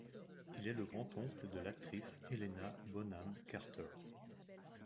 Il est le grand-oncle de l'actrice Helena Bonham Carter.